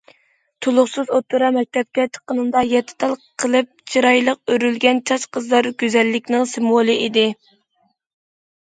تولۇقسىز ئوتتۇرا مەكتەپكە چىققىنىمدا، يەتتە تال قىلىپ چىرايلىق ئۆرۈلگەن چاچ قىزلار گۈزەللىكىنىڭ سىمۋولى ئىدى.